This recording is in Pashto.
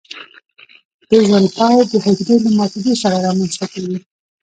د ژوند پای د حجره له ماتیدو سره رامینځته کیږي.